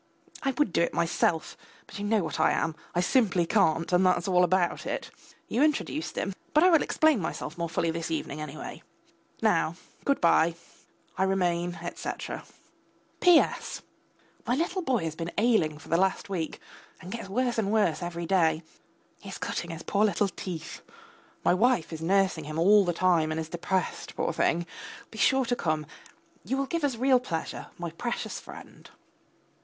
I would do it myself, but you know what I am, I simply can't, and that's all about it. You introduced him. But I will explain myself more fully this evening, anyway. Now good bye. I remain, etc. P.S. My little boy has been ailing for the last week, and gets worse and worse every day; he is cutting his poor little teeth. My wife is nursing him all the time, and is depressed, poor thing. Be sure to come, you will give us real pleasure, my precious friend.